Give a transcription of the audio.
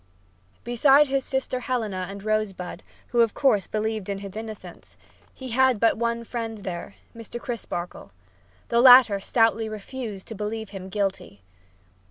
Beside his sister Helena and Rosebud, who, of course, believed in his innocence, he had but one friend there Mr. Crisparkle. The latter stoutly refused to believe him guilty.